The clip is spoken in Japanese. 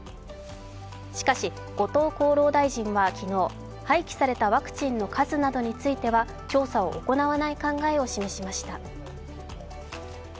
しかし、後藤厚労大臣は昨日、廃棄されたワクチンの数などについては調査を行わない考えを示しました。